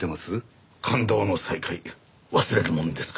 感動の再会忘れるものですか。